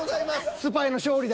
スパイの勝利だ。